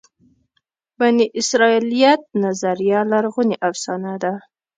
بني اسرائیلیت نظریه لرغونې افسانه ده.